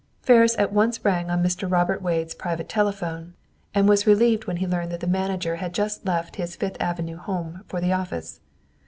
Ferris at once rang on Mr. Robert Wade's private telephone, and was relieved when he learned that the manager had just left his Fifth Avenue home for the office.